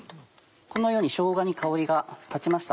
このようにしょうがに香りが立ちました。